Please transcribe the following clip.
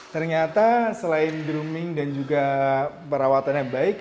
ternyata selain drooming dan juga perawatannya baik